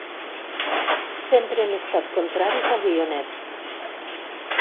Sempre hem estat contraris al guionet.